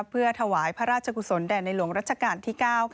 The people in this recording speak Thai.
เพื่อถวายพระราชกุศลแด่ในหลวงรัชกาลที่๙